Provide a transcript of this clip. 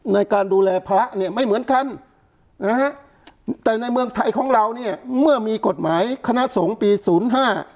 ในการดูแลพระเนี่ยไม่เหมือนกันนะฮะแต่ในเมืองไทยของเราเนี่ยเมื่อมีกฎหมายคณะสงฆ์ปีศูนย์ห้า